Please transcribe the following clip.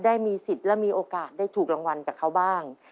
ได้มีสิทธิ์และมีโอกาสได้ถูกรางวัลกับเขาบ้าง